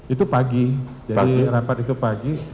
itu pagi jadi rapat itu pagi